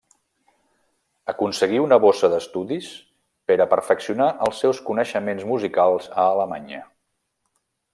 Aconseguí una bossa d'estudis per a perfeccionar els seus coneixements musicals a Alemanya.